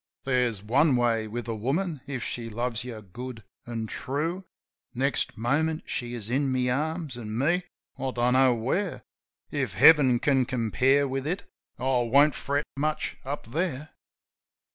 There's one way with a woman if she loves you good an' true. Next moment she is in my arms ; an' me ? I don't know where. If Heaven can compare with it I won't fret much up there.